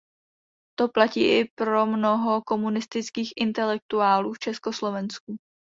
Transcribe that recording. To platí i pro mnoho komunistických intelektuálů v Československu.